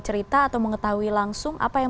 cerita atau mengetahui langsung apa yang